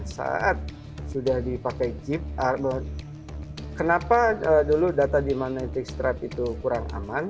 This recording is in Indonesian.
saat sudah dipakai chip kenapa dulu data di magnetic stripe itu kurang aman